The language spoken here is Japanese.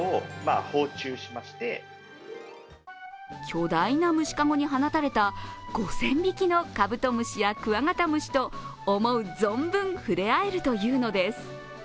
巨大な虫かごに放たれた５０００匹のカブトムシやクワガタムシと思う存分触れ合えるというのです。